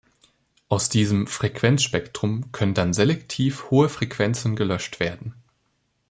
Aus diesem "Frequenzspektrum" können dann selektiv hohe Frequenzen gelöscht werden.